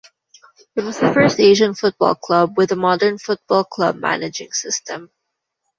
It was the first Asian football club with a modern football club managing system.